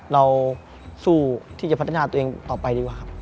เราสู้ที่จะพัฒนาตัวเองต่อไปดีกว่าครับ